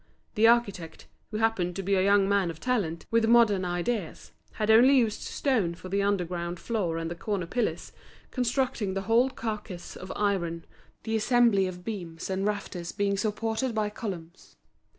The architect, who happened to be a young man of talent, with modern ideas, had only used stone for the underground floor and the corner pillars, constructing the whole carcase of iron, the assemblage of beams and rafters being supported by columns.